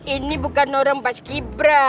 ini bukan orang pas kibra